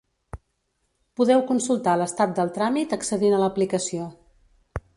Podeu consultar l'estat del tràmit accedint a l'aplicació.